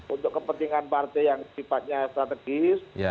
untuk kepentingan partai yang sifatnya strategis